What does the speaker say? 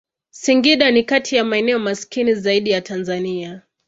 Singida ni kati ya maeneo maskini zaidi ya Tanzania.